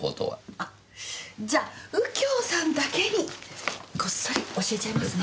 あじゃあ右京さんだけにこっそり教えちゃいますね。